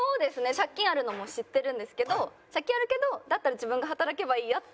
借金あるのも知ってるんですけど借金あるけどだったら自分が働けばいいやって思った。